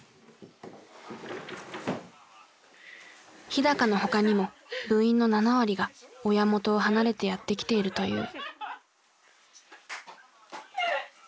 日のほかにも部員の７割が親元を離れてやって来ているという。